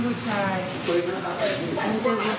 ขอเวลาเดี๋ยวเขาสั่งกูมา